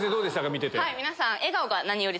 見てて。